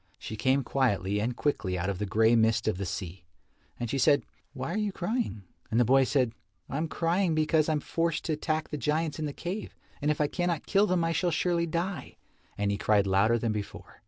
She came quietly and quickly out of the grey mist of the sea. And she said, "Why are you crying?" And the boy said, "I am crying because I am forced to attack the giants in the cave, and if I cannot kill them I shall surely die," and he cried louder than before.